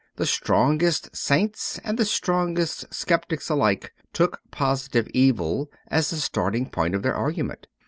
The strongest saints and the strongest sceptics alike took positive evil as the starting point of their argument.